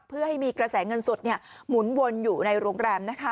เพื่อให้มีกระแสเงินสดหมุนวนอยู่ในโรงแรม